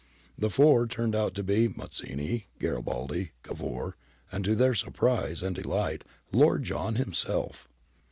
The four turned out to be Mazzini, Garibaldi, Cavour, and, to their surprise and delight. Lord John himself!